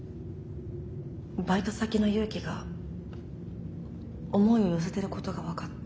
バイト先の祐樹が思いを寄せてることが分かって。